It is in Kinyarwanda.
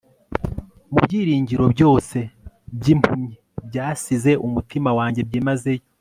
Mu byiringiro byose byimpumyi byasize umutima wanjye byimazeyo